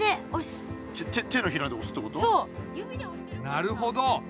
なるほど！